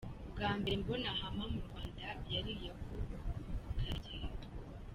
Ubwambere mbona Hummer mu rwanda, yari iya Col. Karegeya.